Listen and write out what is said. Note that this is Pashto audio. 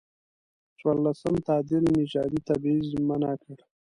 څورلسم تعدیل نژادي تبعیض منع کړ.